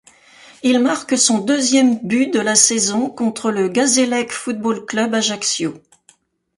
Il marque son deuxième but de la saison contre le Gazélec Football Club Ajaccio.